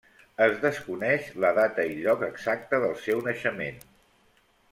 Es desconeix la data i lloc exacte del seu naixement.